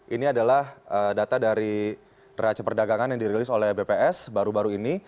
ini adalah data dari raca perdagangan yang dirilis oleh bps baru baru ini